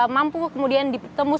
mampu kemudian ditemukan